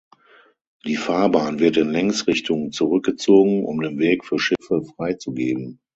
Die Fahrbahn wird in Längsrichtung zurückgezogen, um den Weg für Schiffe freizugeben.